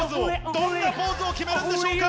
どんなポーズを決めるんでしょうか？